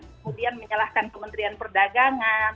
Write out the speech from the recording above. kemudian menyalahkan kementerian perdagangan